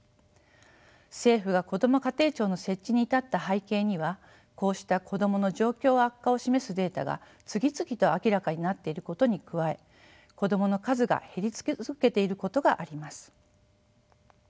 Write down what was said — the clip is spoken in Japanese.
政府がこども家庭庁の設置に至った背景にはこうした子どもの状況悪化を示すデータが次々と明らかになっていることに加え子どもの数が減り続けていることがあります。